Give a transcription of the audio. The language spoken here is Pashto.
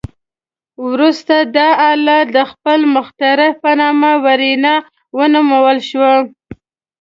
وروسته دا آله د خپل مخترع په نامه "ورنیه" ونومول شوه.